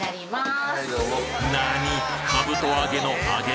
なに！